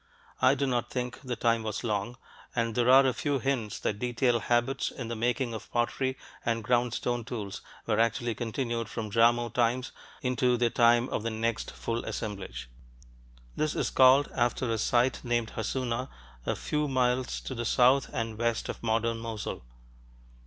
I do not think the time was long, and there are a few hints that detailed habits in the making of pottery and ground stone tools were actually continued from Jarmo times into the time of the next full assemblage. This is called after a site named Hassuna, a few miles to the south and west of modern Mosul.